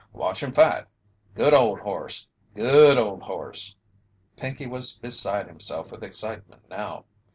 Watch him fight! Good ol' horse good ol' horse!" Pinkey was beside himself with excitement now.